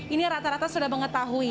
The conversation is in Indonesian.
ini rata rata sudah mengetahui